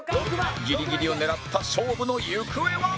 ギリギリを狙った勝負の行方は